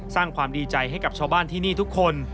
สร้างความดีใจให้กับชาวบ้านที่นี่ทุกคน